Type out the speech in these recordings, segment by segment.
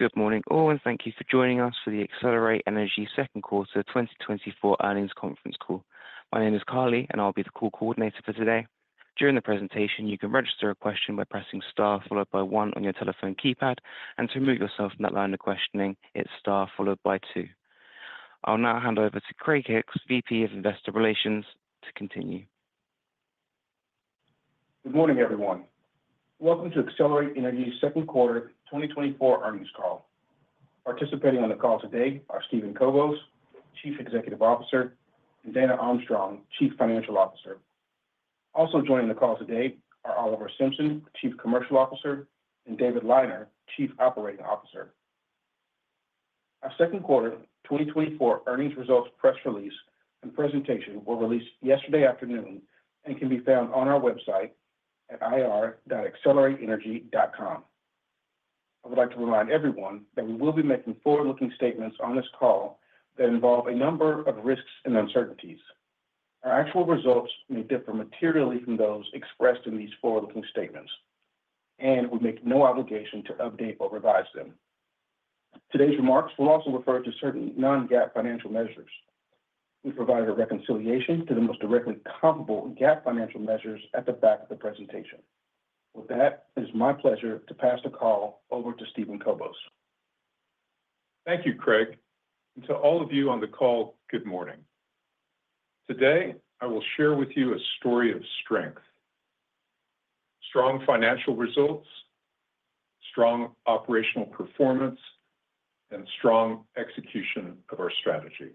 Good morning, all, and thank you for joining us for the Excelerate Energy second quarter 2024 earnings conference call. My name is Carly, and I'll be the call coordinator for today. During the presentation, you can register a question by pressing star followed by one on your telephone keypad, and to remove yourself from that line of questioning, it's star followed by two. I'll now hand over to Craig Hicks, VP of Investor Relations, to continue. Good morning, everyone. Welcome to Excelerate Energy's second quarter 2024 earnings call. Participating on the call today are Steven Kobos, Chief Executive Officer, and Dana Armstrong, Chief Financial Officer. Also joining the call today are Oliver Simpson, Chief Commercial Officer, and David Liner, Chief Operating Officer. Our second quarter 2024 earnings results, press release, and presentation were released yesterday afternoon and can be found on our website at ir.excelerateenergy.com. I would like to remind everyone that we will be making forward-looking statements on this call that involve a number of risks and uncertainties. Our actual results may differ materially from those expressed in these forward-looking statements, and we make no obligation to update or revise them. Today's remarks will also refer to certain non-GAAP financial measures. We provide a reconciliation to the most directly comparable GAAP financial measures at the back of the presentation. With that, it is my pleasure to pass the call over to Steven Kobos. Thank you, Craig, and to all of you on the call, good morning. Today, I will share with you a story of strength: strong financial results, strong operational performance, and strong execution of our strategy.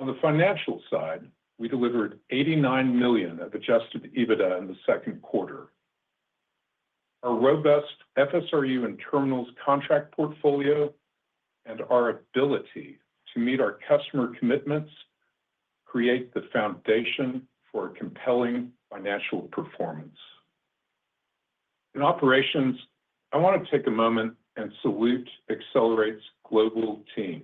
On the financial side, we delivered $89 million of Adjusted EBITDA in the second quarter. Our robust FSRU and terminals contract portfolio and our ability to meet our customer commitments create the foundation for a compelling financial performance. In operations, I wanna take a moment and salute Excelerate's global team.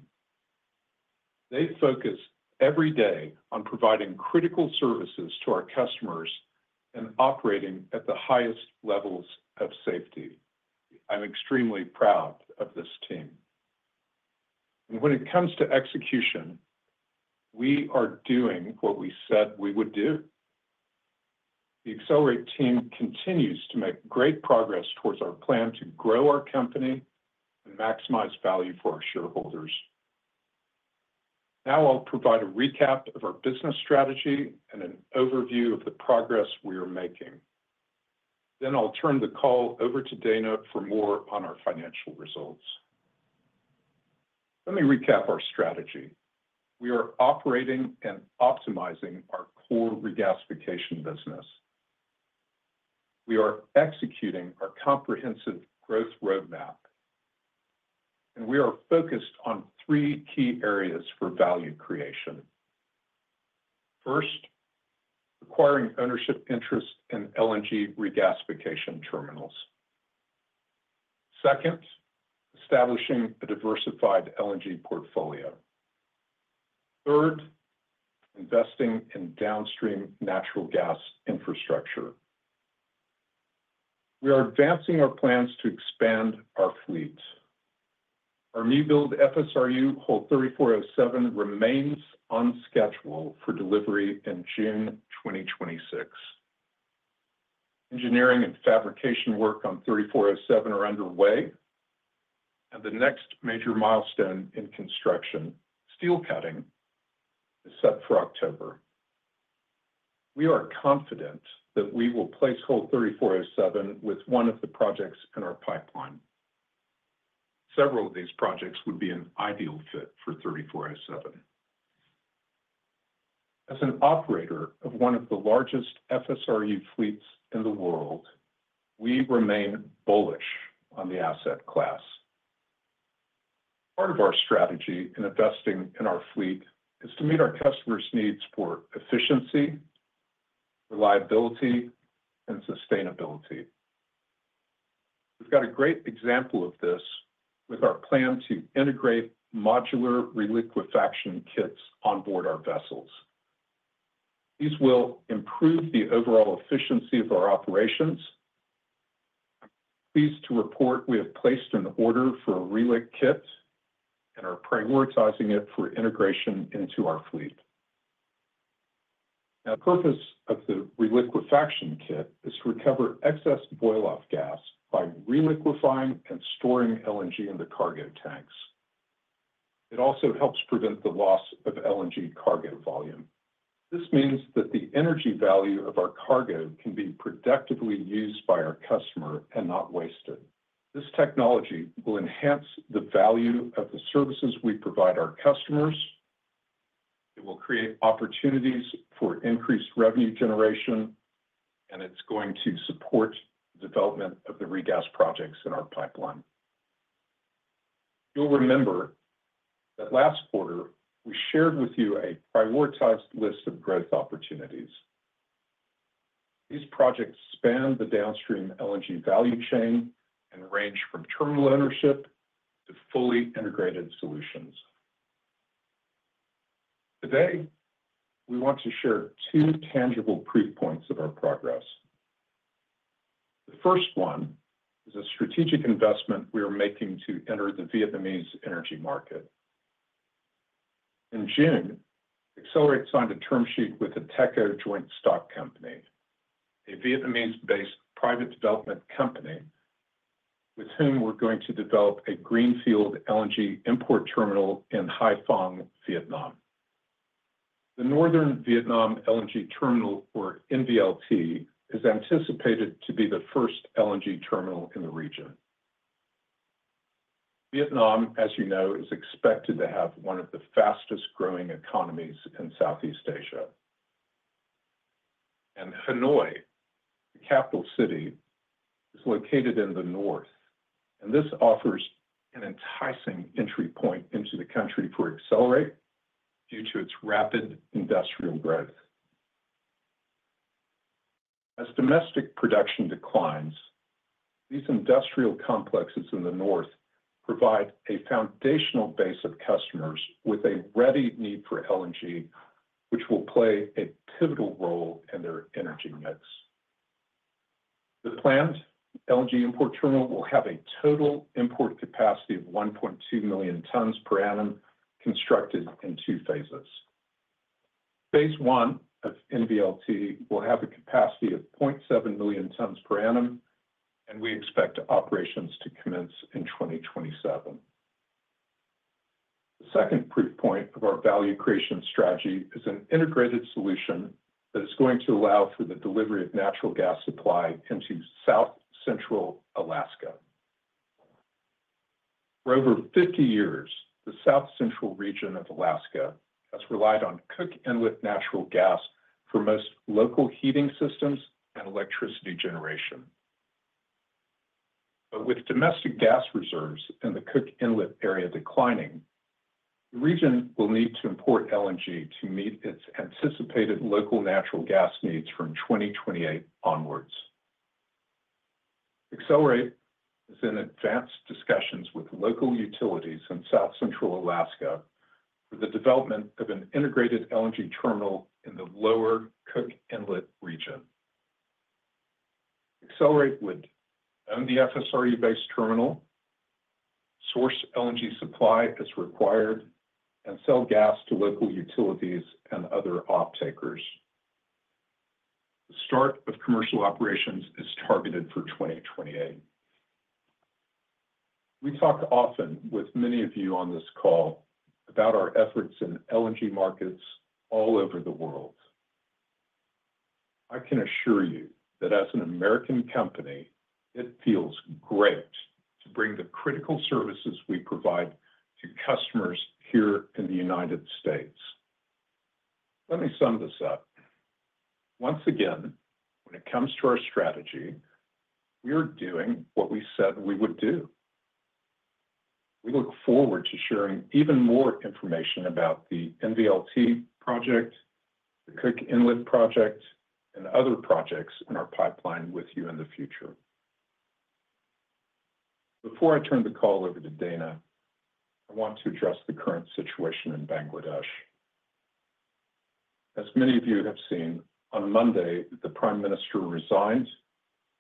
They focus every day on providing critical services to our customers and operating at the highest levels of safety. I'm extremely proud of this team. When it comes to execution, we are doing what we said we would do. The Excelerate team continues to make great progress towards our plan to grow our company and maximize value for our shareholders. Now, I'll provide a recap of our business strategy and an overview of the progress we are making. Then I'll turn the call over to Dana for more on our financial results. Let me recap our strategy. We are operating and optimizing our core regasification business. We are executing our comprehensive growth roadmap, and we are focused on three key areas for value creation. First, acquiring ownership interest in LNG regasification terminals. Second, establishing a diversified LNG portfolio. Third, investing in downstream natural gas infrastructure. We are advancing our plans to expand our fleet. Our newbuild FSRU, Hull 3407, remains on schedule for delivery in June 2026. Engineering and fabrication work on 3407 are underway, and the next major milestone in construction, steel cutting, is set for October. We are confident that we will place Hull 3407 with one of the projects in our pipeline. Several of these projects would be an ideal fit for 3407. As an operator of one of the largest FSRU fleets in the world, we remain bullish on the asset class. Part of our strategy in investing in our fleet is to meet our customers' needs for efficiency, reliability, and sustainability. We've got a great example of this with our plan to integrate modular reliquefaction kits on board our vessels. These will improve the overall efficiency of our operations. I'm pleased to report we have placed an order for a reliquefaction kit and are prioritizing it for integration into our fleet. Now, the purpose of the reliquefaction kit is to recover excess boil-off gas by reliquefying and storing LNG in the cargo tanks. It also helps prevent the loss of LNG cargo volume. This means that the energy value of our cargo can be productively used by our customer and not wasted. This technology will enhance the value of the services we provide our customers. It will create opportunities for increased revenue generation, and it's going to support the development of the regas projects in our pipeline. You'll remember that last quarter, we shared with you a prioritized list of growth opportunities. These projects span the downstream LNG value chain and range from terminal ownership to fully integrated solutions.... Today, we want to share two tangible proof points of our progress. The first one is a strategic investment we are making to enter the Vietnamese energy market. In June, Excelerate signed a term sheet with the Ivis, a Vietnamese-based private development company, with whom we're going to develop a greenfield LNG import terminal in Haiphong, Vietnam. The Northern Vietnam LNG Terminal, or NVLT, is anticipated to be the first LNG terminal in the region. Vietnam, as you know, is expected to have one of the fastest-growing economies in Southeast Asia. Hanoi, the capital city, is located in the north, and this offers an enticing entry point into the country for Excelerate due to its rapid industrial growth. As domestic production declines, these industrial complexes in the north provide a foundational base of customers with a ready need for LNG, which will play a pivotal role in their energy mix. The plant, LNG import terminal, will have a total import capacity of 1.2 million tons per annum, constructed in two phases. Phase one of NVLT will have a capacity of 0.7 million tons per annum, and we expect operations to commence in 2027. The second proof point of our value creation strategy is an integrated solution that is going to allow for the delivery of natural gas supply into South Central Alaska. For over 50 years, the South Central region of Alaska has relied on Cook Inlet natural gas for most local heating systems and electricity generation. But with domestic gas reserves in the Cook Inlet area declining, the region will need to import LNG to meet its anticipated local natural gas needs from 2028 onwards. Excelerate is in advanced discussions with local utilities in South Central Alaska for the development of an integrated LNG terminal in the Lower Cook Inlet region. Excelerate would own the FSRU-based terminal, source LNG supply as required, and sell gas to local utilities and other offtakers. The start of commercial operations is targeted for 2028. We talk often with many of you on this call about our efforts in LNG markets all over the world. I can assure you that as an American company, it feels great to bring the critical services we provide to customers here in the United States. Let me sum this up. Once again, when it comes to our strategy, we are doing what we said we would do. We look forward to sharing even more information about the NVLT project, the Cook Inlet project, and other projects in our pipeline with you in the future. Before I turn the call over to Dana, I want to address the current situation in Bangladesh. As many of you have seen, on Monday, the Prime Minister resigned,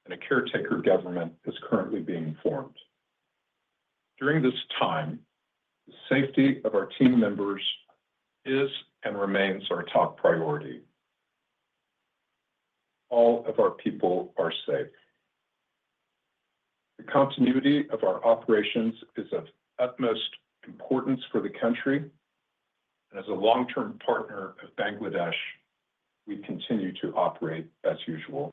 and a caretaker government is currently being formed. During this time, the safety of our team members is and remains our top priority. All of our people are safe. The continuity of our operations is of utmost importance for the country, and as a long-term partner of Bangladesh, we continue to operate as usual.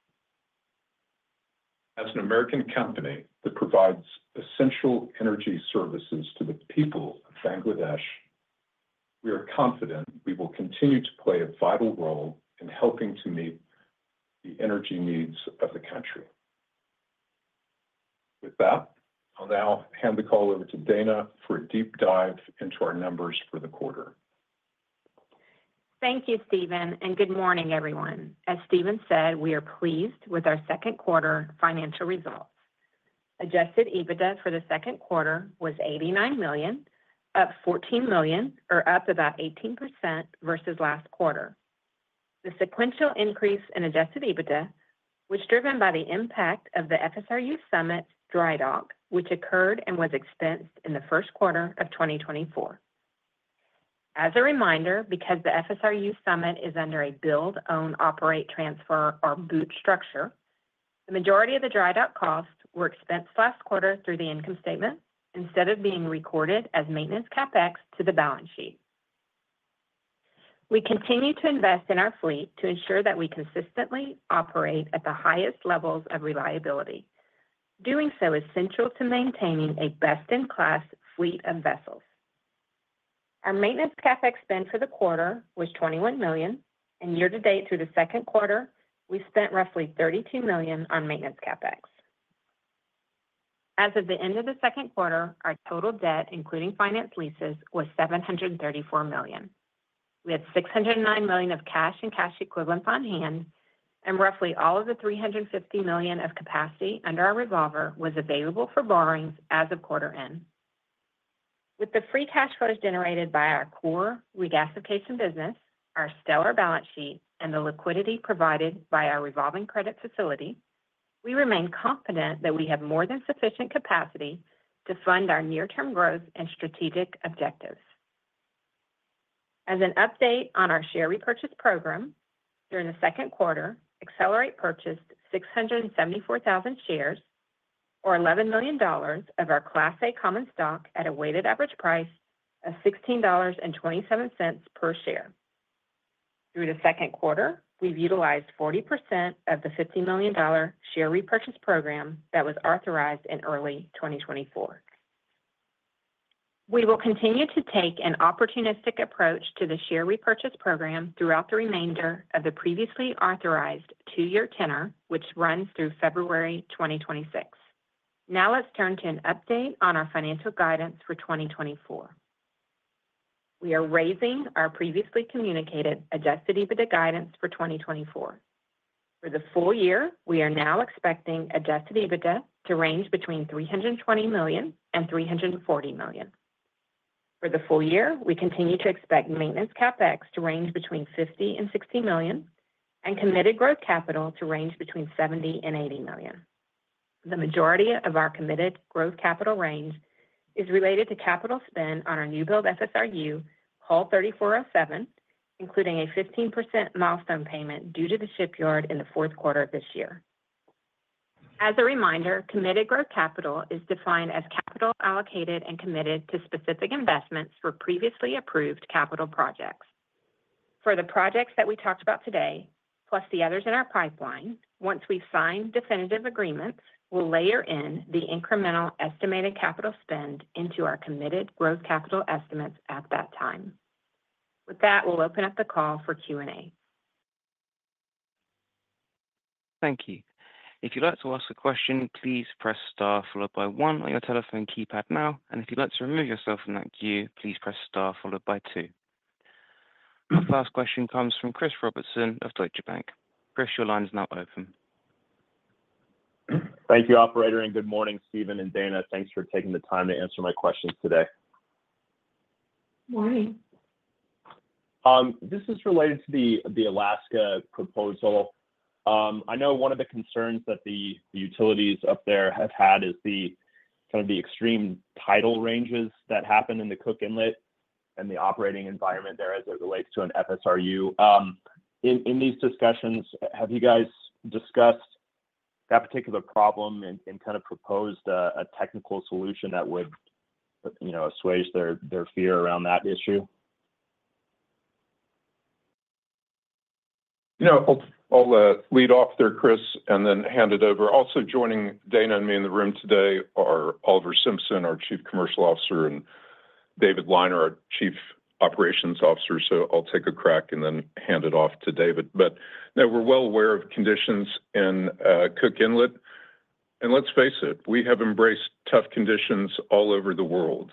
As an American company that provides essential energy services to the people of Bangladesh, we are confident we will continue to play a vital role in helping to meet the energy needs of the country. With that, I'll now hand the call over to Dana for a deep dive into our numbers for the quarter. Thank you, Steven, and good morning, everyone. As Steven said, we are pleased with our second quarter financial results. Adjusted EBITDA for the second quarter was $89 million, up $14 million, or up about 18% versus last quarter. The sequential increase in adjusted EBITDA was driven by the impact of the FSRU Summit dry dock, which occurred and was expensed in the first quarter of 2024. As a reminder, because the FSRU Summit is under a build, own, operate, transfer, or BOOT structure, the majority of the dry dock costs were expensed last quarter through the income statement instead of being recorded as maintenance CapEx to the balance sheet. We continue to invest in our fleet to ensure that we consistently operate at the highest levels of reliability. Doing so is central to maintaining a best-in-class fleet of vessels. Our maintenance CapEx spend for the quarter was $21 million, and year to date, through the second quarter, we spent roughly $32 million on maintenance CapEx. As of the end of the second quarter, our total debt, including finance leases, was $734 million. We had $609 million of cash and cash equivalents on hand... and roughly all of the $350 million of capacity under our revolver was available for borrowings as of quarter end. With the free cash flows generated by our core regasification business, our stellar balance sheet, and the liquidity provided by our revolving credit facility, we remain confident that we have more than sufficient capacity to fund our near-term growth and strategic objectives. As an update on our share repurchase program, during the second quarter, Excelerate purchased 674,000 shares, or $11 million of our Class A common stock at a weighted average price of $16.27 per share. Through the second quarter, we've utilized 40% of the $15 million share repurchase program that was authorized in early 2024. We will continue to take an opportunistic approach to the share repurchase program throughout the remainder of the previously authorized 2-year tenor, which runs through February 2026. Now, let's turn to an update on our financial guidance for 2024. We are raising our previously communicated Adjusted EBITDA guidance for 2024. For the full year, we are now expecting Adjusted EBITDA to range between $320 million and $340 million. For the full year, we continue to expect maintenance CapEx to range between $50 million and $60 million, and committed growth capital to range between $70 million and $80 million. The majority of our committed growth capital range is related to capital spend on our new build FSRU, Hull 3407, including a 15% milestone payment due to the shipyard in the fourth quarter of this year. As a reminder, committed growth capital is defined as capital allocated and committed to specific investments for previously approved capital projects. For the projects that we talked about today, plus the others in our pipeline, once we sign definitive agreements, we'll layer in the incremental estimated capital spend into our committed growth capital estimates at that time. With that, we'll open up the call for Q&A. Thank you. If you'd like to ask a question, please press Star followed by one on your telephone keypad now, and if you'd like to remove yourself from that queue, please press Star followed by two. Our first question comes from Chris Robertson of Deutsche Bank. Chris, your line is now open. Thank you, operator, and good morning, Steven and Dana. Thanks for taking the time to answer my questions today. Morning. This is related to the Alaska proposal. I know one of the concerns that the utilities up there have had is the kind of extreme tidal ranges that happen in the Cook Inlet and the operating environment there as it relates to an FSRU. In these discussions, have you guys discussed that particular problem and kind of proposed a technical solution that would, you know, assuage their fear around that issue? You know, I'll lead off there, Chris, and then hand it over. Also, joining Dana and me in the room today are Oliver Simpson, our Chief Commercial Officer, and David Liner, our Chief Operating Officer. So I'll take a crack and then hand it off to David. But now, we're well aware of conditions in Cook Inlet. And let's face it, we have embraced tough conditions all over the world.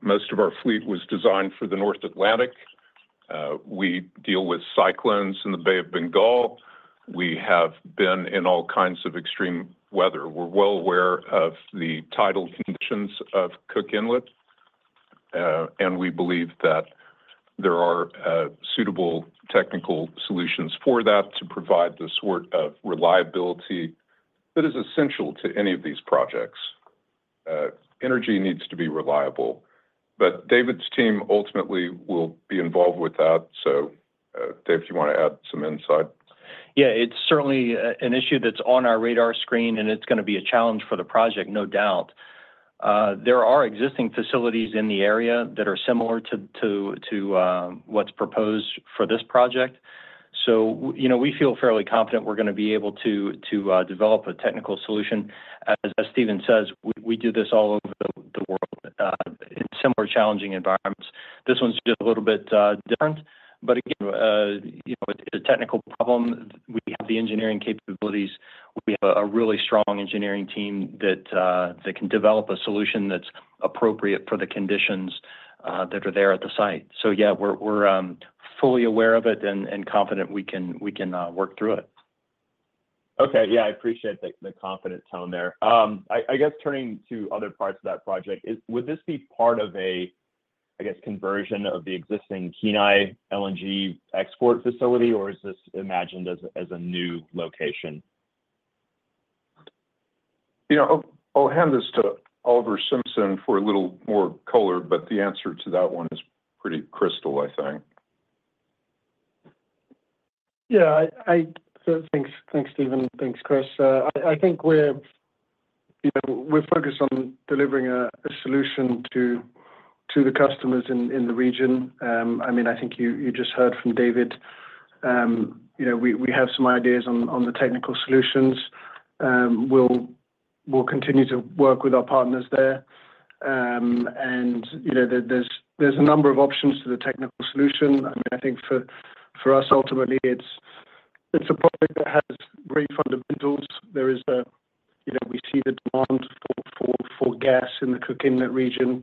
Most of our fleet was designed for the North Atlantic. We deal with cyclones in the Bay of Bengal. We have been in all kinds of extreme weather. We're well aware of the tidal conditions of Cook Inlet, and we believe that there are suitable technical solutions for that to provide the sort of reliability that is essential to any of these projects. Energy needs to be reliable, but David's team ultimately will be involved with that. So, Dave, do you wanna add some insight? Yeah, it's certainly an issue that's on our radar screen, and it's gonna be a challenge for the project, no doubt. There are existing facilities in the area that are similar to what's proposed for this project. So, you know, we feel fairly confident we're gonna be able to develop a technical solution. As Steven says, we do this all over the world in similar challenging environments. This one's just a little bit different. But again, you know, a technical problem, we have the engineering capabilities. We have a really strong engineering team that can develop a solution that's appropriate for the conditions that are there at the site. So yeah, we're fully aware of it and confident we can work through it. Okay. Yeah, I appreciate the, the confident tone there. I guess turning to other parts of that project, would this be part of a, I guess, conversion of the existing Kenai LNG export facility, or is this imagined as a new location? You know, I'll, I'll hand this to Oliver Simpson for a little more color, but the answer to that one is pretty crystal, I think. Yeah, thanks, thanks, Steven. Thanks, Chris. I think we're, you know, we're focused on delivering a solution to the customers in the region. I mean, I think you just heard from David. You know, we have some ideas on the technical solutions. We'll continue to work with our partners there. And, you know, there's a number of options to the technical solution. I mean, I think for us, ultimately, it's a project that has great fundamentals. There is a—you know, we see the demand for-... for gas in the Cook Inlet region,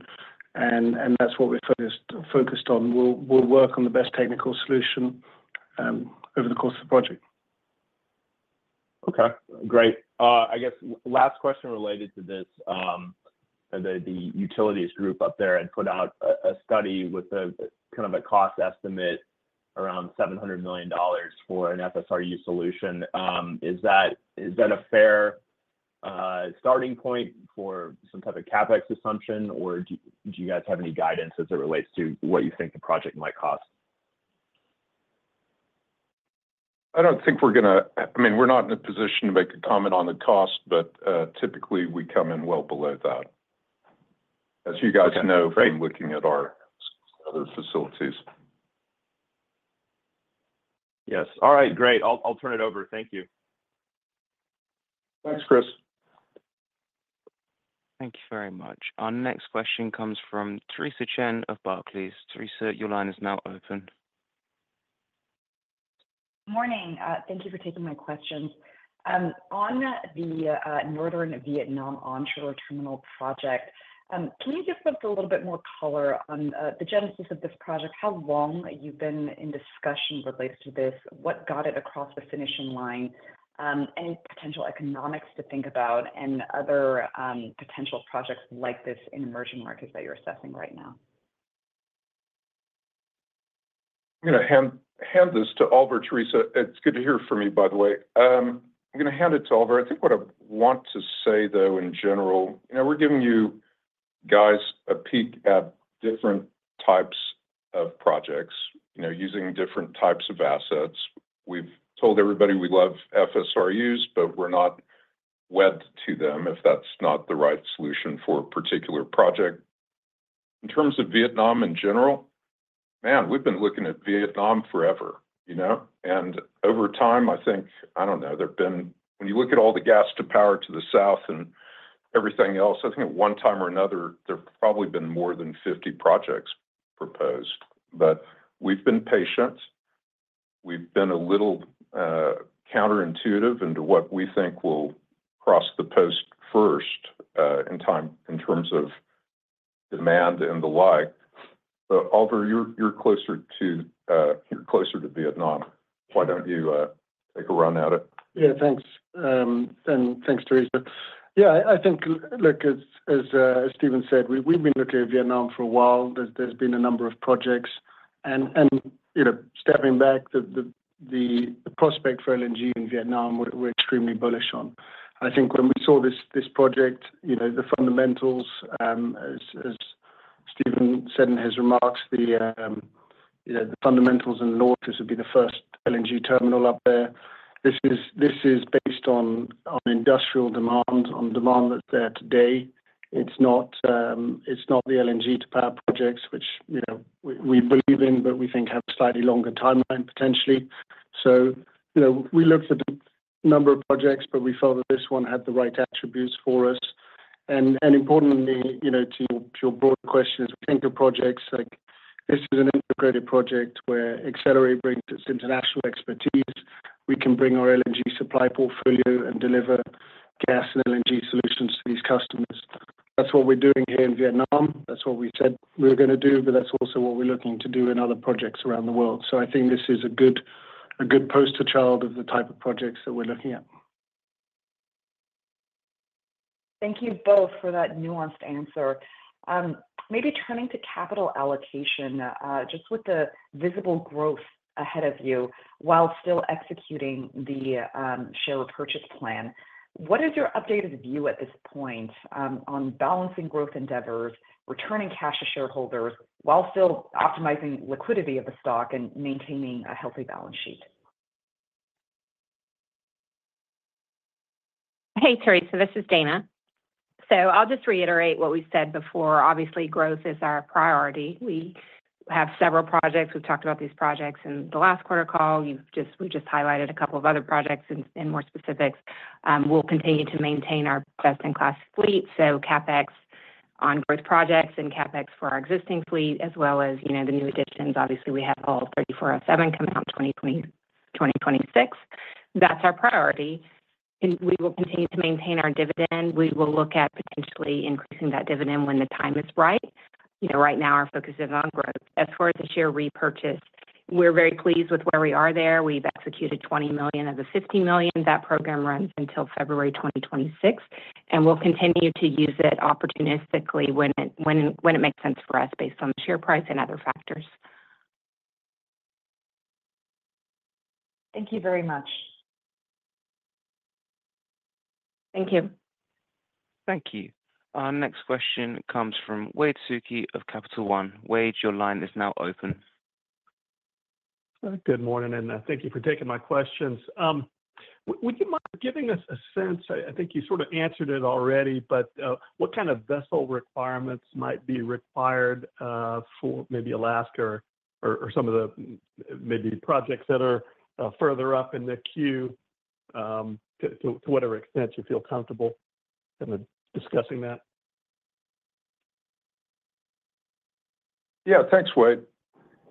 and that's what we're focused on. We'll work on the best technical solution over the course of the project. Okay, great. I guess last question related to this, the utilities group up there had put out a study with a kind of a cost estimate around $700 million for an FSRU solution. Is that a fair starting point for some type of CapEx assumption, or do you guys have any guidance as it relates to what you think the project might cost? I don't think we're gonna—I mean, we're not in a position to make a comment on the cost, but typically, we come in well below that. As you guys know, from looking at our other facilities. Yes. All right, great. I'll, I'll turn it over. Thank you. Thanks, Chris. Thank you very much. Our next question comes from Teresa Chen of Barclays. Teresa, your line is now open. Morning. Thank you for taking my questions. On the Northern Vietnam onshore terminal project, can you just put a little bit more color on the genesis of this project? How long you've been in discussions related to this? What got it across the finishing line? Any potential economics to think about and other potential projects like this in emerging markets that you're assessing right now? I'm gonna hand this to Oliver, Teresa. It's good to hear from you, by the way. I'm gonna hand it to Oliver. I think what I want to say, though, in general, you know, we're giving you guys a peek at different types of projects, you know, using different types of assets. We've told everybody we love FSRUs, but we're not wed to them if that's not the right solution for a particular project. In terms of Vietnam in general, man, we've been looking at Vietnam forever, you know? And over time, I think, I don't know, there have been... When you look at all the gas to power to the south and everything else, I think at one time or another, there have probably been more than 50 projects proposed. But we've been patient. We've been a little counterintuitive into what we think will cross the post first in time in terms of demand and the like. But Oliver, you're closer to Vietnam. Why don't you take a run at it? Yeah, thanks. And thanks, Teresa. Yeah, I think, look, as Steven said, we've been looking at Vietnam for a while. There's been a number of projects, and, you know, stepping back, the prospect for LNG in Vietnam, we're extremely bullish on. I think when we saw this project, you know, the fundamentals, as Steven said in his remarks, the fundamentals in our case would be the first LNG terminal up there. This is based on industrial demand, on demand that's there today. It's not the LNG to power projects, which, you know, we believe in, but we think have a slightly longer timeline, potentially. So, you know, we looked at a number of projects, but we felt that this one had the right attributes for us. And importantly, you know, to your broad questions, we think of projects like this as an integrated project where Excelerate brings its international expertise. We can bring our LNG supply portfolio and deliver gas and LNG solutions to these customers. That's what we're doing here in Vietnam. That's what we said we were gonna do, but that's also what we're looking to do in other projects around the world. So I think this is a good poster child of the type of projects that we're looking at. Thank you both for that nuanced answer. Maybe turning to capital allocation, just with the visible growth ahead of you while still executing the share purchase plan, what is your updated view at this point, on balancing growth endeavors, returning cash to shareholders, while still optimizing liquidity of the stock and maintaining a healthy balance sheet? Hey, Teresa, this is Dana. So I'll just reiterate what we said before. Obviously, growth is our priority. We have several projects. We've talked about these projects in the last quarter call. We've just highlighted a couple of other projects in, in more specifics. We'll continue to maintain our best-in-class fleet, so CapEx on growth projects and CapEx for our existing fleet, as well as, you know, the new additions. Obviously, we have Hull 3407 coming out in 2026. That's our priority, and we will continue to maintain our dividend. We will look at potentially increasing that dividend when the time is right. You know, right now, our focus is on growth. As for the share repurchase, we're very pleased with where we are there. We've executed $20 million of the $50 million. That program runs until February 2026, and we'll continue to use it opportunistically when it makes sense for us based on the share price and other factors. Thank you very much. Thank you. Thank you. Our next question comes from Wade Suki of Capital One. Wade, your line is now open. Good morning, and thank you for taking my questions. Would you mind giving us a sense? I think you sort of answered it already, but what kind of vessel requirements might be required for maybe Alaska or some of the maybe projects that are further up in the queue, to whatever extent you feel comfortable in discussing that?... Yeah, thanks, Wade.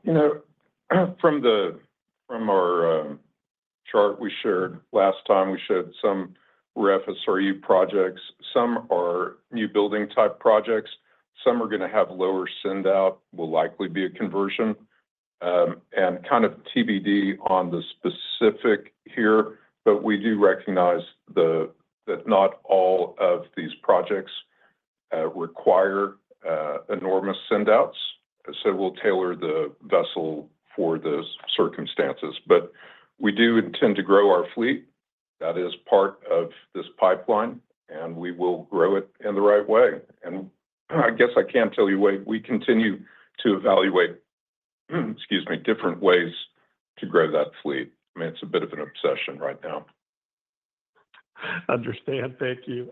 You know, from our chart we shared last time, we shared some ref FSRU projects. Some are new building type projects, some are gonna have lower sendout, will likely be a conversion. And kind of TBD on the specific here, but we do recognize that not all of these projects require enormous sendouts, so we'll tailor the vessel for those circumstances. But we do intend to grow our fleet. That is part of this pipeline, and we will grow it in the right way. And, I guess I can tell you, Wade, we continue to evaluate, excuse me, different ways to grow that fleet. I mean, it's a bit of an obsession right now. Understand. Thank you.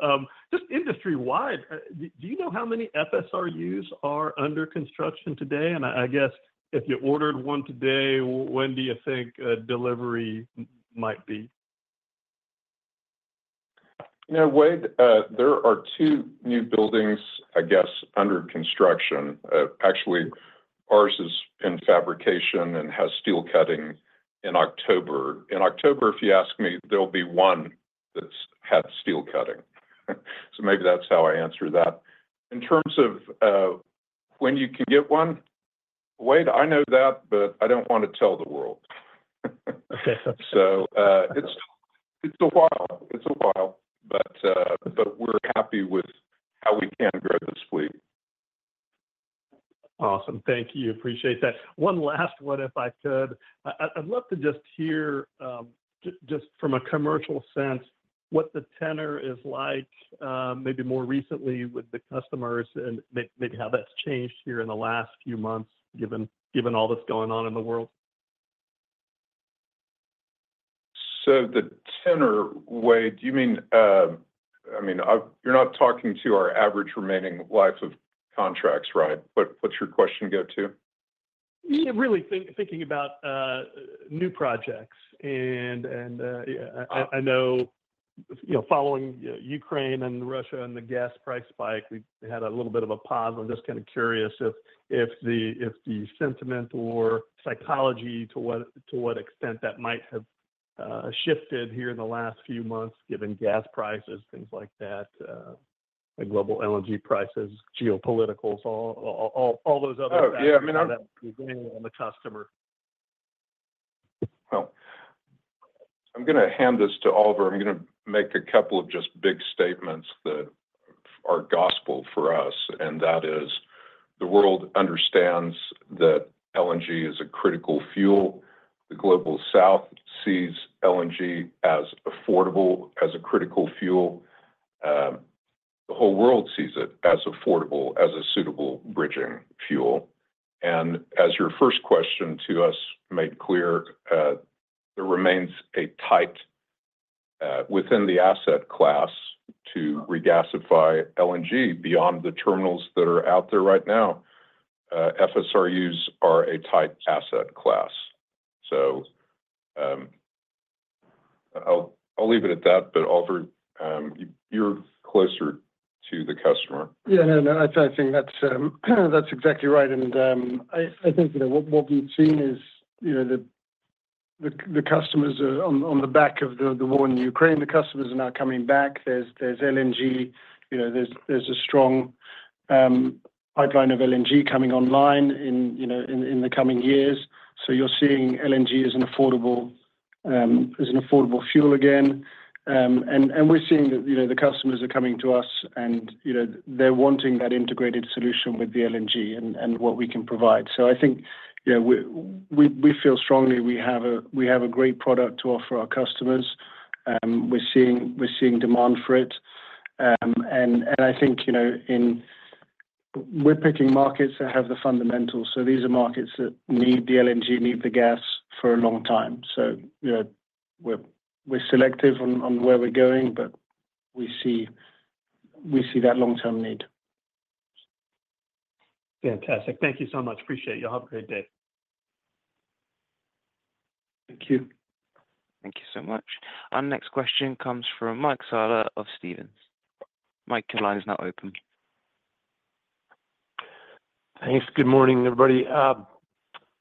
Just industry-wide, do you know how many FSRUs are under construction today? I guess if you ordered one today, when do you think delivery might be? You know, Wade, there are two new buildings, I guess, under construction. Actually, ours is in fabrication and has steel cutting in October. In October, if you ask me, there'll be one that's had steel cutting. So maybe that's how I answer that. In terms of, when you can get one, Wade, I know that, but I don't want to tell the world. So, it's, it's a while. It's a while, but, but we're happy with how we can grow this fleet. Awesome. Thank you. Appreciate that. One last one, if I could. I'd love to just hear, just from a commercial sense, what the tenor is like, maybe more recently with the customers, and maybe how that's changed here in the last few months, given all that's going on in the world. So the tenor, Wade, do you mean, I mean, you're not talking to our average remaining life of contracts, right? What, what's your question get to? Yeah, really thinking about new projects. Yeah, I know, you know, following Ukraine and Russia and the gas price spike, we had a little bit of a pause. I'm just kind of curious if the sentiment or psychology to what extent that might have shifted here in the last few months, given gas prices, things like that, like global LNG prices, geopolitical, all those other factors- Oh, yeah, I mean- On the customer. Well, I'm gonna hand this to Oliver. I'm gonna make a couple of just big statements that are gospel for us, and that is, the world understands that LNG is a critical fuel. The Global South sees LNG as affordable, as a critical fuel. The whole world sees it as affordable, as a suitable bridging fuel. And as your first question to us made clear, there remains a tight within the asset class to regasify LNG beyond the terminals that are out there right now. FSRUs are a tight asset class. So, I'll, I'll leave it at that, but, Oliver, you, you're closer to the customer. Yeah, no, no, I think that's exactly right. And I think, you know, what we've seen is, you know, the customers are on the back of the war in Ukraine. The customers are now coming back. There's LNG, you know, there's a strong pipeline of LNG coming online in, you know, in the coming years. So you're seeing LNG as an affordable fuel again. And we're seeing that, you know, the customers are coming to us, and, you know, they're wanting that integrated solution with the LNG and what we can provide. So I think, you know, we feel strongly we have a great product to offer our customers. We're seeing demand for it. I think, you know, we're picking markets that have the fundamentals, so these are markets that need the LNG, need the gas for a long time. So, you know, we're selective on where we're going, but we see that long-term need. Fantastic. Thank you so much. Appreciate it. Y'all have a great day. Thank you. Thank you so much. Our next question comes from Mike Scialla of Stephens. Mike, your line is now open. Thanks. Good morning, everybody.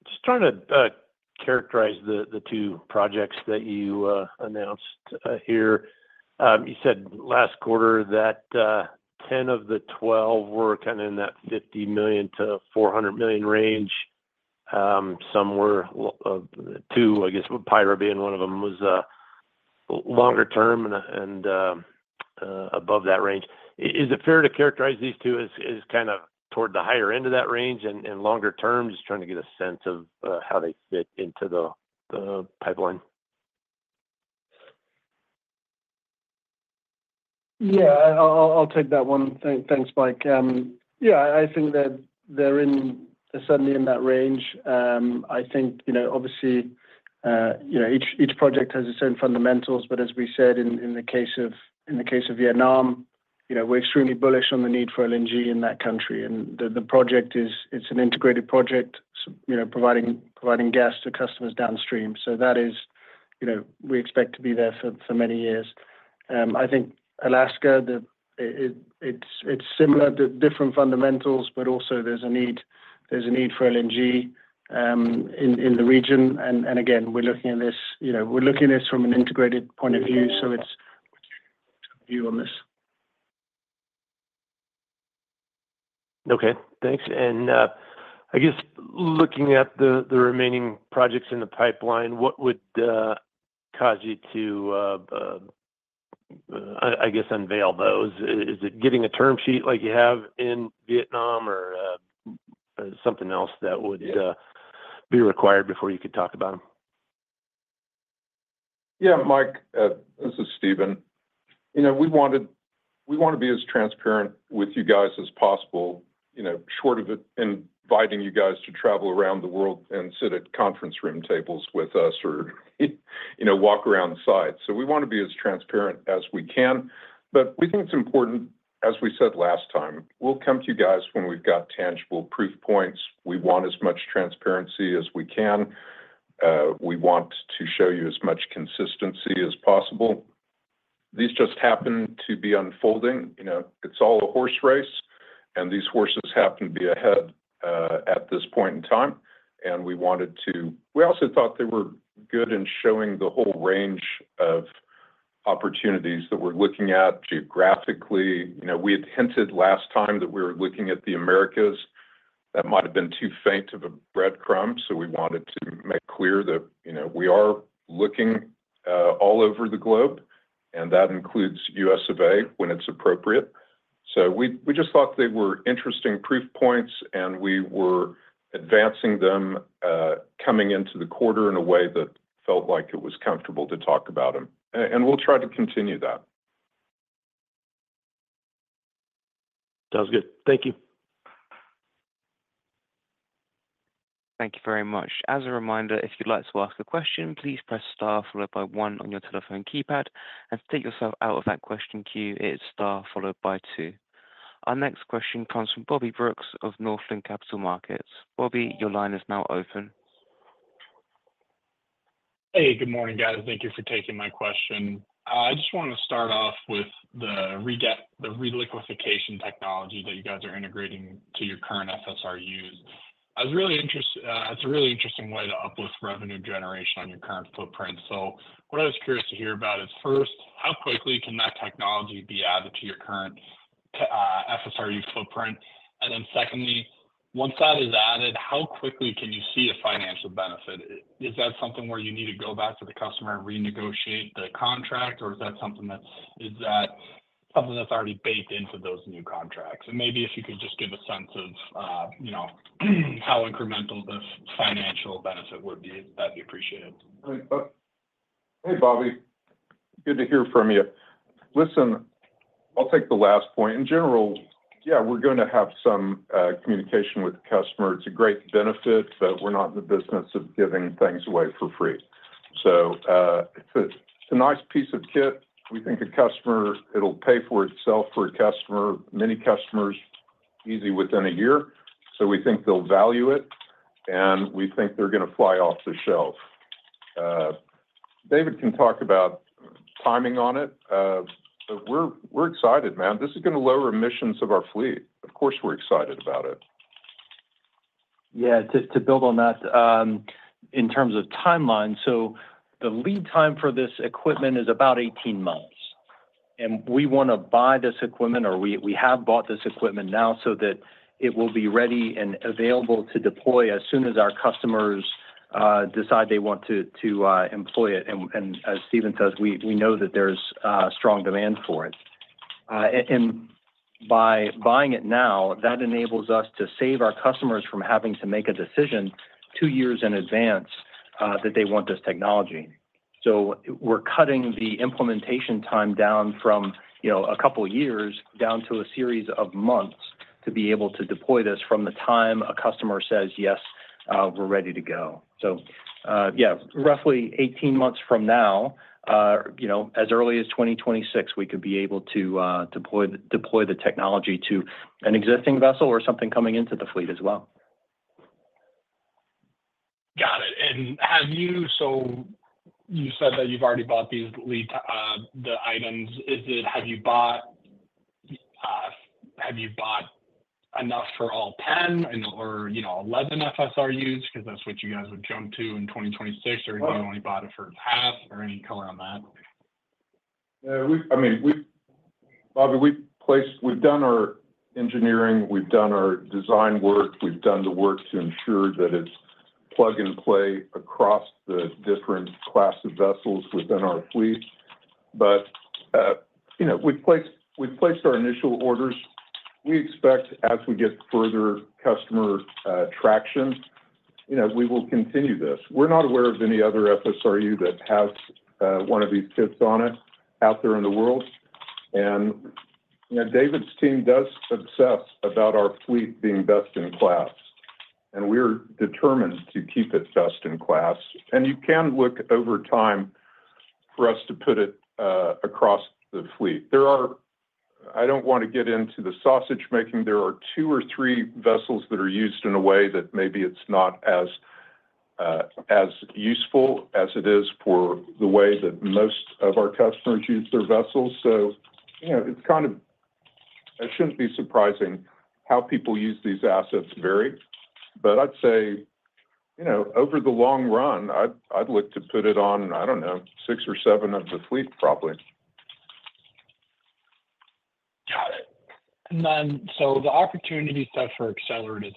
Just trying to characterize the two projects that you announced here. You said last quarter that 10 of the 12 were kind of in that $50 million-$400 million range. Some were too, I guess, Payra being one of them, was longer term and above that range. Is it fair to characterize these two as kind of toward the higher end of that range and longer term? Just trying to get a sense of how they fit into the pipeline. Yeah, I'll take that one. Thanks, Mike. Yeah, I think that they're suddenly in that range. I think, you know, obviously, you know, each project has its own fundamentals, but as we said in the case of Vietnam, you know, we're extremely bullish on the need for LNG in that country. And the project is, it's an integrated project, so, you know, providing gas to customers downstream. So that is,... you know, we expect to be there for many years. I think Alaska, it's similar to different fundamentals, but also there's a need for LNG in the region. And again, we're looking at this, you know, from an integrated point of view, so it's view on this. Okay. Thanks. I guess looking at the remaining projects in the pipeline, what would cause you to, I guess, unveil those? Is it getting a term sheet like you have in Vietnam or something else that would be required before you could talk about them? Yeah, Mike, this is Steven. You know, we wanted—we want to be as transparent with you guys as possible, you know, short of inviting you guys to travel around the world and sit at conference room tables with us or, you know, walk around the site. So we want to be as transparent as we can, but we think it's important, as we said last time, we'll come to you guys when we've got tangible proof points. We want as much transparency as we can. We want to show you as much consistency as possible. These just happen to be unfolding. You know, it's all a horse race, and these horses happen to be ahead, at this point in time, and we wanted to—we also thought they were good in showing the whole range of opportunities that we're looking at geographically. You know, we had hinted last time that we were looking at the Americas. That might have been too faint of a breadcrumb, so we wanted to make clear that, you know, we are looking all over the globe, and that includes US of A, when it's appropriate. So we just thought they were interesting proof points, and we were advancing them coming into the quarter in a way that felt like it was comfortable to talk about them. And we'll try to continue that. Sounds good. Thank you. Thank you very much. As a reminder, if you'd like to ask a question, please press Star followed by one on your telephone keypad. And to take yourself out of that question queue, it is Star followed by two. Our next question comes from Bobby Brooks of Northland Capital Markets. Bobby, your line is now open. Hey, good morning, guys. Thank you for taking my question. I just want to start off with the reliquefaction technology that you guys are integrating to your current FSRUs. I was really interested. It's a really interesting way to uplift revenue generation on your current footprint. So what I was curious to hear about is, first, how quickly can that technology be added to your current FSRU footprint? And then secondly, once that is added, how quickly can you see a financial benefit? Is that something where you need to go back to the customer and renegotiate the contract, or is that something that's already baked into those new contracts? And maybe if you could just give a sense of, you know, how incremental this financial benefit would be, that'd be appreciated. Great. Hey, Bobby. Good to hear from you. Listen, I'll take the last point. In general, yeah, we're gonna have some communication with the customer. It's a great benefit, but we're not in the business of giving things away for free. So, it's a nice piece of kit. We think a customer- it'll pay for itself for a customer, many customers, easily within a year. So we think they'll value it, and we think they're gonna fly off the shelf. David can talk about timing on it. But we're excited, man. This is gonna lower emissions of our fleet. Of course, we're excited about it. Yeah, just to build on that, in terms of timeline, so the lead time for this equipment is about 18 months, and we want to buy this equipment, or we have bought this equipment now so that it will be ready and available to deploy as soon as our customers decide they want to employ it. And as Steven says, we know that there's strong demand for it. And by buying it now, that enables us to save our customers from having to make a decision 2 years in advance that they want this technology. So we're cutting the implementation time down from, you know, a couple of years down to a series of months to be able to deploy this from the time a customer says, "Yes, we're ready to go." So, yeah, roughly 18 months from now, you know, as early as 2026, we could be able to deploy the, deploy the technology to an existing vessel or something coming into the fleet as well. Got it. And so you said that you've already bought these lead, the items. Have you bought enough for all 10 and or, you know, 11 FSRUs? Because that's what you guys would jump to in 2026, or you only bought it for half or any color on that? Yeah, I mean, Bobby, we've placed—we've done our engineering, we've done our design work, we've done the work to ensure that it's plug and play across the different classes of vessels within our fleet. But, you know, we've placed, we've placed our initial orders. We expect as we get further customer traction, you know, we will continue this. We're not aware of any other FSRU that has one of these kits on it out there in the world. And, you know, David's team does obsess about our fleet being best-in-class, and we're determined to keep it best-in-class. And you can look over time for us to put it across the fleet. There are... I don't want to get into the sausage making. There are two or three vessels that are used in a way that maybe it's not as, as useful as it is for the way that most of our customers use their vessels. So, you know, it's kind of it shouldn't be surprising how people use these assets vary. But I'd say, you know, over the long run, I'd look to put it on, I don't know, six or seven of the fleet, probably. Got it. And then, so the opportunity set for Excelerate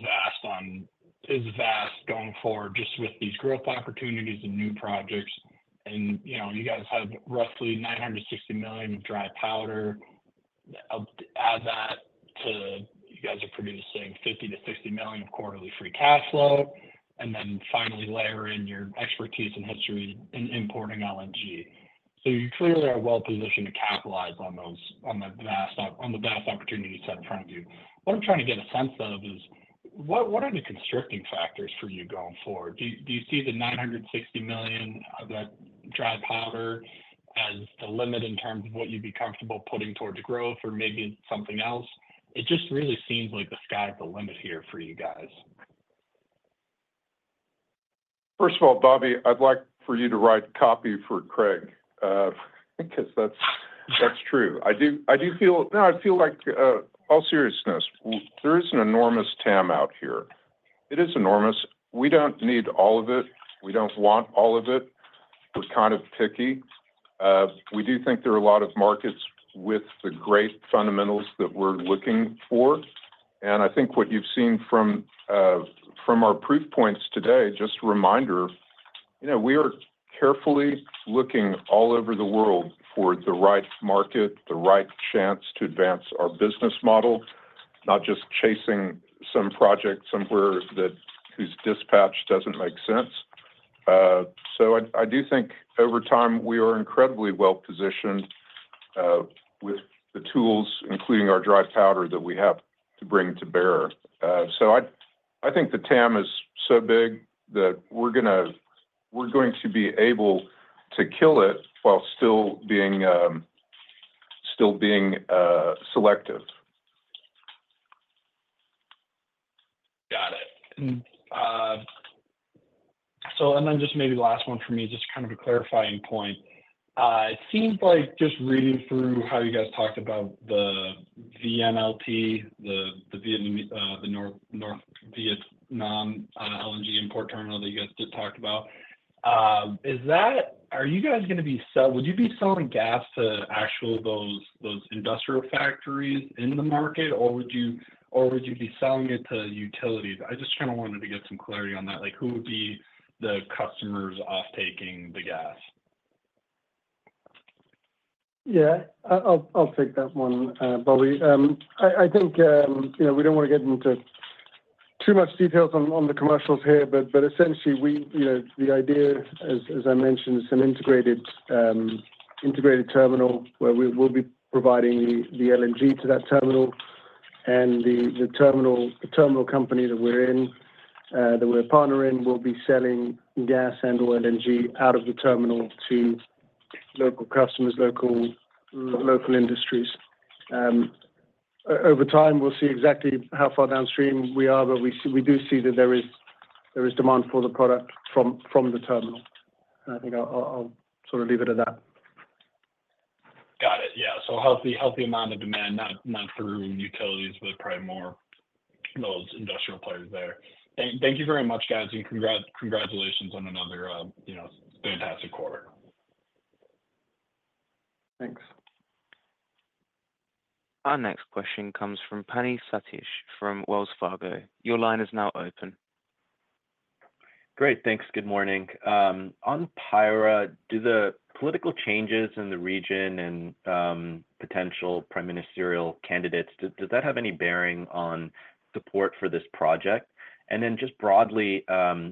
is vast going forward, just with these growth opportunities and new projects. And, you know, you guys have roughly $960 million of dry powder. Add that to, you guys are producing $50-$60 million of quarterly free cash flow, and then finally layer in your expertise and history in importing LNG. So you clearly are well-positioned to capitalize on those, on the vast, on the vast opportunities I'm trying to do. What I'm trying to get a sense of is, what, what are the constricting factors for you going forward? Do you, do you see the $960 million of that dry powder as the limit in terms of what you'd be comfortable putting towards growth or maybe something else? It just really seems like the sky is the limit here for you guys. First of all, Bobby, I'd like for you to write the copy for Craig, because that's, that's true. I feel like, all seriousness, there is an enormous TAM out here. It is enormous. We don't need all of it. We don't want all of it. We're kind of picky. We do think there are a lot of markets with the great fundamentals that we're looking for, and I think what you've seen from, from our proof points today, just a reminder, you know, we are carefully looking all over the world for the right market, the right chance to advance our business model, not just chasing some project somewhere that-- whose dispatch doesn't make sense. So I do think over time, we are incredibly well-positioned with the tools, including our dry powder, that we have to bring to bear. So I think the TAM is so big that we're going to be able to kill it while still being selective. Got it. And, so and then just maybe last one for me, just kind of a clarifying point. It seems like just reading through how you guys talked about the NVLT, the Vietnamese, the Northern Vietnam LNG import terminal that you guys just talked about. Is that—would you be selling gas to actual those, those industrial factories in the market, or would you be selling it to utilities? I just kind of wanted to get some clarity on that. Like, who would be the customers offtaking the gas? Yeah, I'll, I'll take that one, Bobby. I, I think, you know, we don't want to get into too much details on, on the commercials here, but, but essentially, you know, the idea, as, as I mentioned, is an integrated, integrated terminal where we, we'll be providing the, the LNG to that terminal. And the, the terminal, the terminal company that we're in, that we're a partner in, will be selling gas and/or LNG out of the terminal to local customers, local, local industries. Over time, we'll see exactly how far downstream we are, but we do see that there is, there is demand for the product from, from the terminal. And I think I'll, I'll sort of leave it at that. Got it. Yeah. So healthy, healthy amount of demand, not through utilities, but probably more those industrial players there. Thank you very much, guys, and congratulations on another, you know, fantastic quarter. Thanks. Our next question comes from Praneeth Satish, from Wells Fargo. Your line is now open. Great. Thanks. Good morning. On Pyra, do the political changes in the region and potential prime ministerial candidates have any bearing on support for this project? And then just broadly,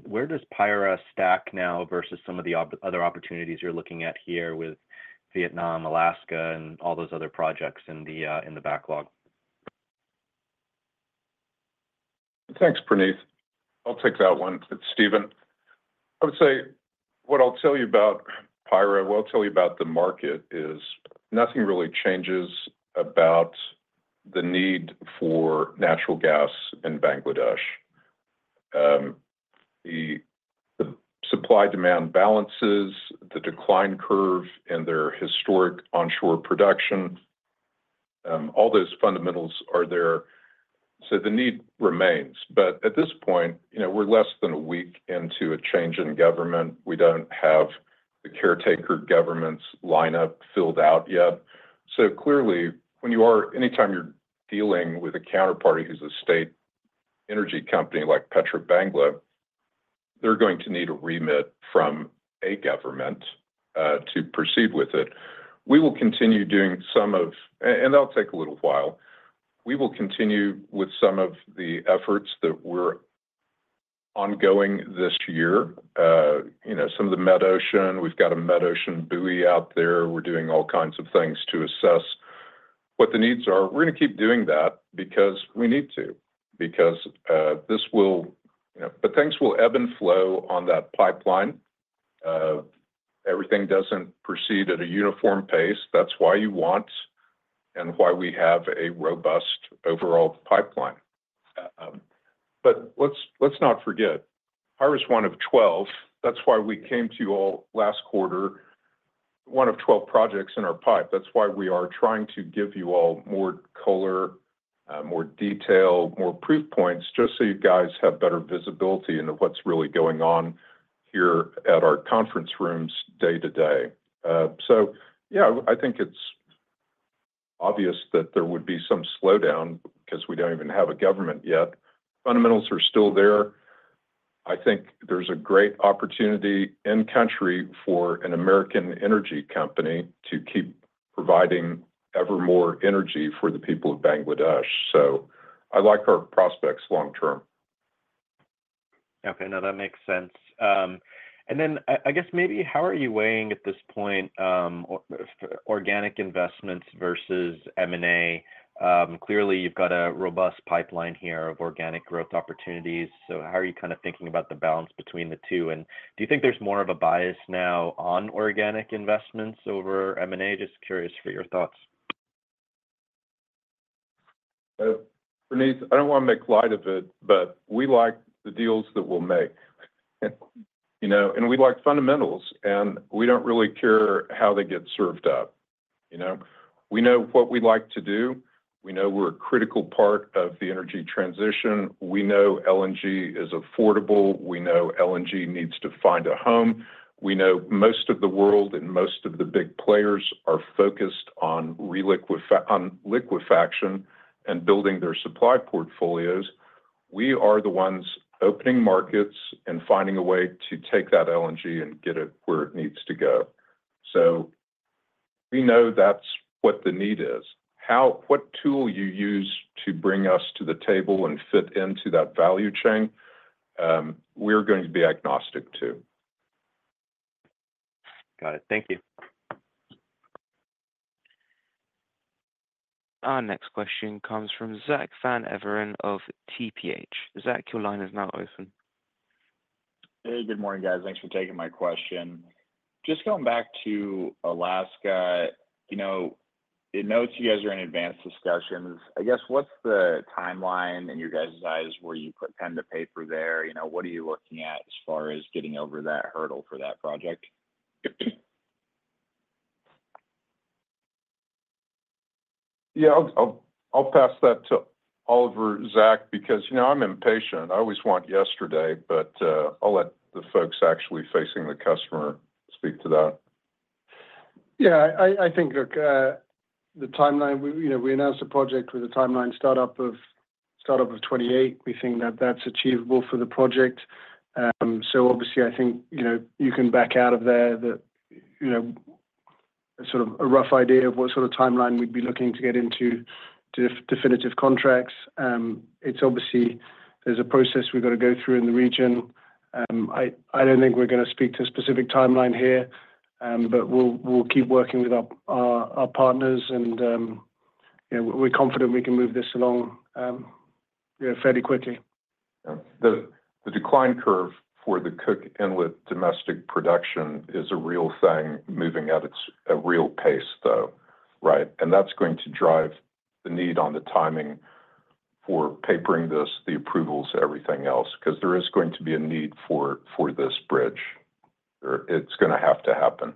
where does Pyra stack now versus some of the other opportunities you're looking at here with Vietnam, Alaska, and all those other projects in the backlog? Thanks, Paneesh. I'll take that one. It's Steven. I would say, what I'll tell you about Pyra, what I'll tell you about the market is nothing really changes about the need for natural gas in Bangladesh. The supply-demand balances, the decline curve, and their historic onshore production, all those fundamentals are there, so the need remains. But at this point, you know, we're less than a week into a change in government. We don't have the caretaker government's lineup filled out yet. So clearly, when you are anytime you're dealing with a counterparty who's a state energy company like PetroBangla, they're going to need a remit from a government to proceed with it. We will continue doing some of... and that'll take a little while. We will continue with some of the efforts that we're ongoing this year, you know, some of the metocean. We've got a metocean buoy out there. We're doing all kinds of things to assess what the needs are. We're going to keep doing that because we need to, because this will, you know. But things will ebb and flow on that pipeline. Everything doesn't proceed at a uniform pace. That's why you want and why we have a robust overall pipeline. But let's not forget, Iris is one of 12. That's why we came to you all last quarter, one of 12 projects in our pipe. That's why we are trying to give you all more color, more detail, more proof points, just so you guys have better visibility into what's really going on here at our conference rooms day to day. So yeah, I think it's obvious that there would be some slowdown 'cause we don't even have a government yet. Fundamentals are still there. I think there's a great opportunity in country for an American energy company to keep providing ever more energy for the people of Bangladesh, so I like our prospects long term. Okay, now that makes sense. And then, I guess maybe how are you weighing at this point, organic investments versus M&A? Clearly, you've got a robust pipeline here of organic growth opportunities, so how are you kind of thinking about the balance between the two? And do you think there's more of a bias now on organic investments over M&A? Just curious for your thoughts. Puneet, I don't wanna make light of it, but we like the deals that we'll make. You know, and we like fundamentals, and we don't really care how they get served up, you know? We know what we like to do, we know we're a critical part of the energy transition, we know LNG is affordable, we know LNG needs to find a home. We know most of the world and most of the big players are focused on re-liquefaction and building their supply portfolios. We are the ones opening markets and finding a way to take that LNG and get it where it needs to go. So we know that's what the need is. What tool you use to bring us to the table and fit into that value chain, we're going to be agnostic to. Got it. Thank you. Our next question comes from Zach Van Everen of TPH. Zach, your line is now open. Hey, good morning, guys. Thanks for taking my question. Just going back to Alaska, you know, it notes you guys are in advanced discussions. I guess, what's the timeline in your guys' eyes where you put pen to paper there? You know, what are you looking at as far as getting over that hurdle for that project? Yeah, I'll pass that to Oliver, Zach, because, you know, I'm impatient. I always want yesterday, but I'll let the folks actually facing the customer speak to that. Yeah, I think, look, the timeline, we, you know, we announced a project with a timeline start up of 2028. We think that that's achievable for the project. So obviously, I think, you know, you can back out of there that, you know, sort of a rough idea of what sort of timeline we'd be looking to get into definitive contracts. It's obviously, there's a process we've got to go through in the region. I don't think we're gonna speak to a specific timeline here, but we'll keep working with our partners and, you know, we're confident we can move this along, you know, fairly quickly. Yeah. The decline curve for the Cook Inlet domestic production is a real thing, moving at it's a real pace, though, right? And that's going to drive the need on the timing for papering this, the approvals, everything else, 'cause there is going to be a need for this bridge. Or it's gonna have to happen.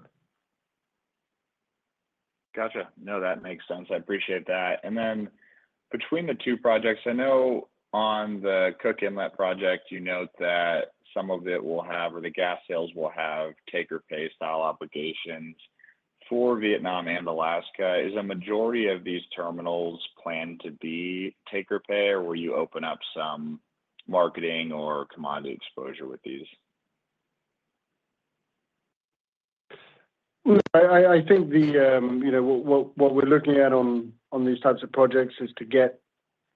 Gotcha. No, that makes sense. I appreciate that. And then between the two projects, I know on the Cook Inlet project, you note that some of it will have or the gas sales will have take-or-pay style obligations. For Vietnam and Alaska, is a majority of these terminals planned to be take-or-pay, or will you open up some marketing or commodity exposure with these? I think, you know, what we're looking at on these types of projects is to get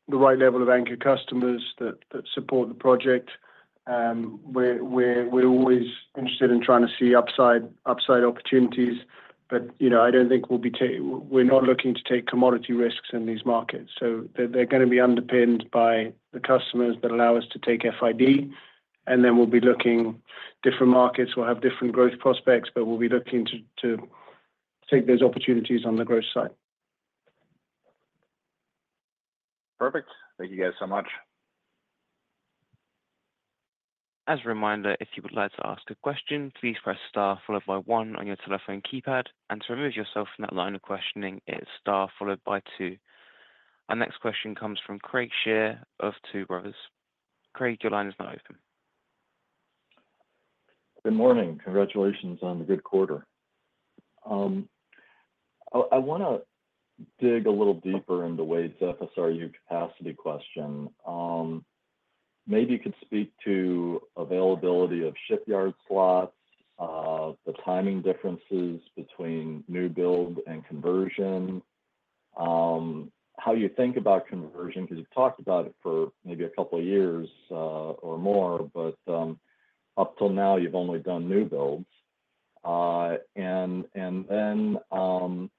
the right level of anchor customers that support the project. We're always interested in trying to see upside opportunities, but, you know, I don't think we'll be. We're not looking to take commodity risks in these markets. So they're gonna be underpinned by the customers that allow us to take FID, and then we'll be looking different markets. We'll have different growth prospects, but we'll be looking to take those opportunities on the growth side. Perfect. Thank you guys so much. As a reminder, if you would like to ask a question, please press Star followed by one on your telephone keypad. And to remove yourself from that line of questioning, it's Star followed by two. Our next question comes from Craig Shere of Tuohy Brothers. Craig, your line is now open. Good morning. Congratulations on the good quarter. I wanna dig a little deeper into Wade's FSRU capacity question. Maybe you could speak to availability of shipyard slots, the timing differences between new build and conversion, how you think about conversion, because you've talked about it for maybe a couple of years, or more, but up till now, you've only done new builds. And then, on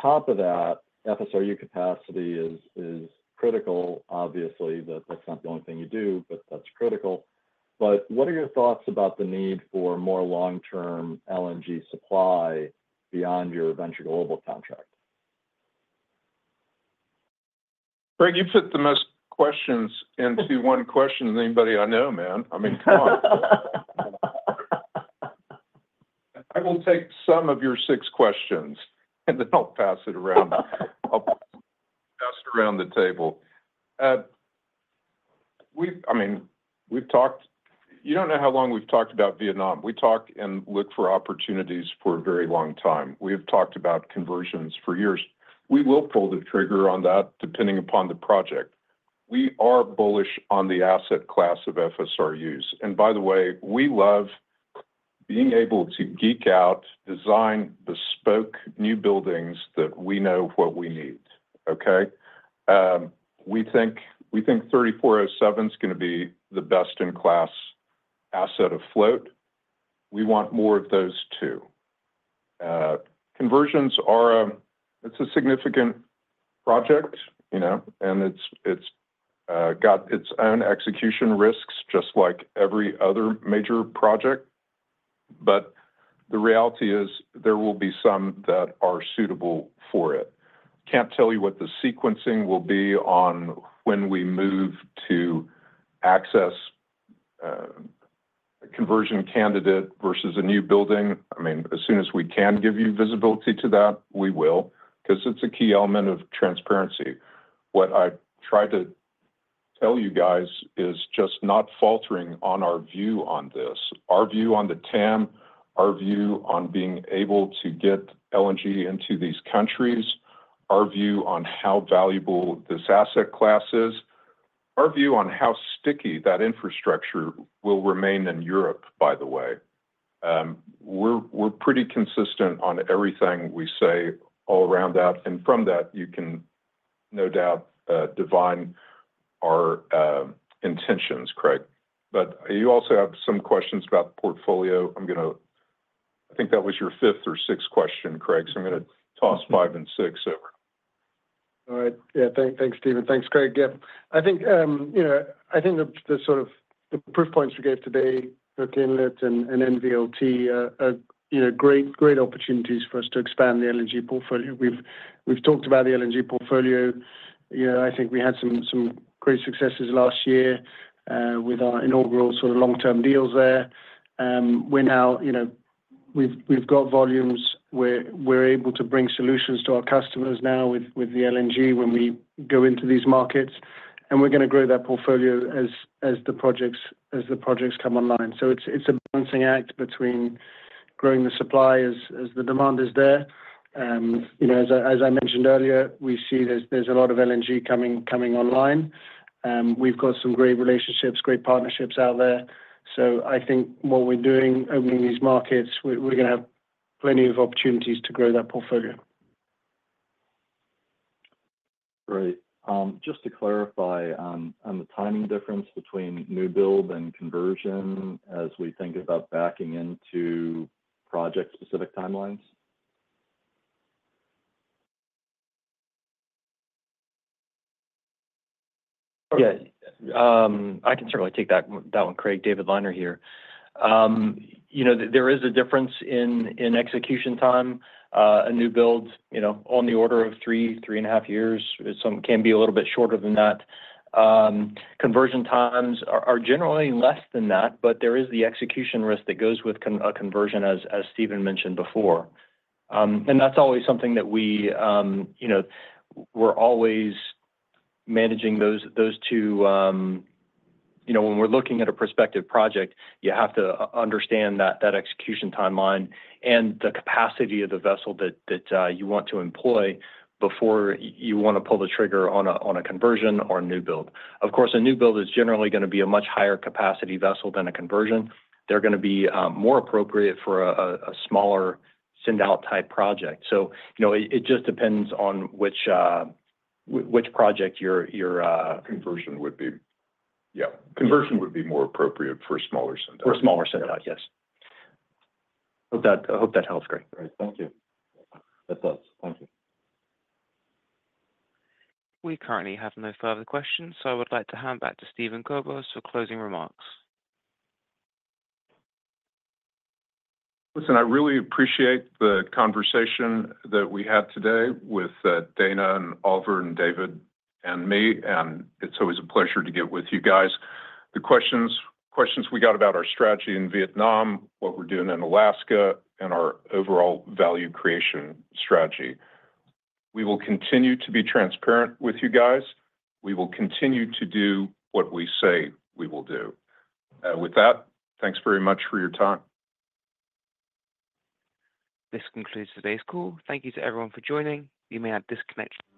top of that, FSRU capacity is critical. Obviously, that's not the only thing you do, but that's critical. But what are your thoughts about the need for more long-term LNG supply beyond your Venture Global contract? Craig, you put the most questions into one question than anybody I know, man. I mean, come on. I will take some of your six questions, and then I'll pass it around. I'll pass it around the table. I mean, we've talked. You don't know how long we've talked about Vietnam. We talked and looked for opportunities for a very long time. We have talked about conversions for years. We will pull the trigger on that depending upon the project. We are bullish on the asset class of FSRUs. And by the way, we love being able to geek out, design bespoke new buildings that we know what we need, okay? We think, we think 3407 is gonna be the best-in-class asset of float. We want more of those, too. Conversions are... It's a significant project, you know, and it's got its own execution risks, just like every other major project. But the reality is, there will be some that are suitable for it. Can't tell you what the sequencing will be on when we move to access a conversion candidate versus a new building. I mean, as soon as we can give you visibility to that, we will, 'cause it's a key element of transparency. What I've tried to tell you guys is just not faltering on our view on this. Our view on the TAM, our view on being able to get LNG into these countries, our view on how valuable this asset class is, our view on how sticky that infrastructure will remain in Europe, by the way. We're, we're pretty consistent on everything we say all around that, and from that, you can no doubt divine our intentions, Craig. But you also have some questions about the portfolio. I'm gonna... I think that was your fifth or sixth question, Craig, so I'm gonna toss five and six over. All right. Yeah. Thanks, thanks, Steven. Thanks, Craig. Yeah. I think, you know, I think the, the sort of the proof points we gave today, both Inlet and, and NVLT are, are, you know, great, great opportunities for us to expand the LNG portfolio. We've, we've talked about the LNG portfolio. You know, I think we had some, some great successes last year, with our inaugural sort of long-term deals there. We're now, you know, we've, we've got volumes where we're able to bring solutions to our customers now with, with the LNG when we go into these markets, and we're gonna grow that portfolio as, as the projects, as the projects come online. So it's, it's a balancing act between growing the supply as, as the demand is there. You know, as I mentioned earlier, we see there's a lot of LNG coming online. We've got some great relationships, great partnerships out there. So I think what we're doing, opening these markets, we're gonna have plenty of opportunities to grow that portfolio. Great. Just to clarify, on the timing difference between new build and conversion as we think about backing into project-specific timelines. Yeah. I can certainly take that one, Craig. David Liner here. You know, there is a difference in execution time. A new build, you know, on the order of 3-3.5 years. Some can be a little bit shorter than that. Conversion times are generally less than that, but there is the execution risk that goes with a conversion, as Steven mentioned before. And that's always something that we, you know, we're always managing those two. You know, when we're looking at a prospective project, you have to understand that execution timeline and the capacity of the vessel that you want to employ before you wanna pull the trigger on a conversion or a new build. Of course, a new build is generally gonna be a much higher capacity vessel than a conversion. They're gonna be more appropriate for a smaller send-out type project. So you know, it just depends on which project your, your- Conversion would be... Yeah. Conversion would be more appropriate for a smaller send-out. For a smaller sendout, yes. I hope that helps, Craig. Great. Thank you. That's us. Thank you. We currently have no further questions, so I would like to hand back to Steven Kobos for closing remarks. Listen, I really appreciate the conversation that we had today with Dana and Oliver and David and me, and it's always a pleasure to get with you guys. The questions, questions we got about our strategy in Vietnam, what we're doing in Alaska, and our overall value creation strategy. We will continue to be transparent with you guys. We will continue to do what we say we will do. With that, thanks very much for your time. This concludes today's call. Thank you to everyone for joining. You may now disconnect.